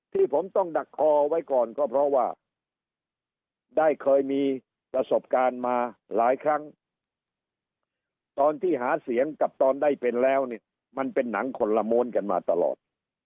ที่ผมต้องดักคอไว้ก่อนก็เพราะว่าได้เคยมีประสบการณ์มาหลายครั้งตอนที่หาเสียงกับตอนได้เป็นแล้วเนี่ยมันเป็นหนังคนละม้วนกันมาตลอด